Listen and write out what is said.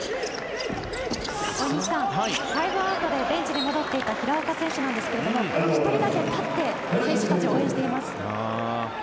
大西さんファウルアウトでベンチに戻っていた平岡選手なんですが１人だけ立って選手たちを応援しています。